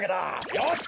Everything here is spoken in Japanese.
よし！